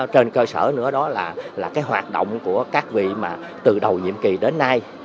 trên cơ sở nữa đó là cái hoạt động của các vị mà từ đầu nhiệm kỳ đến nay